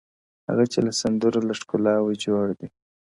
هغه چي له سندرو له ښکلاوو جوړ دی-